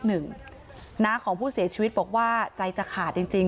น้าของผู้เสียชีวิตบอกว่าใจจะขาดจริง